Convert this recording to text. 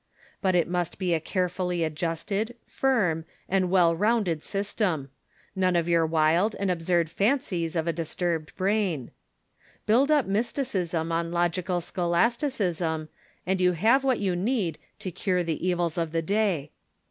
But it must be a carefully adjusted, firm, and Avell rounded system ; none of your wild and absurd fancies of a disturbed brain. Build iip mysticism on logical scholasticism, and you have what you need to cure the evils of the day.